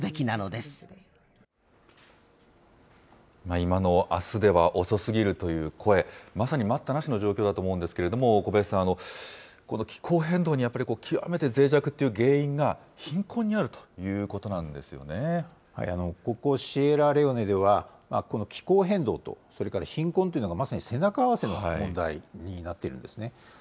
今の、あすでは遅すぎるという声、まさに待ったなしの状況だと思うんですけれども、小林さん、この気候変動にやっぱり極めてぜい弱っていう原因が、貧困にあるここ、シエラレオネでは、この気候変動と、それから貧困というのがまさに背中合わせの問題になっているんですね。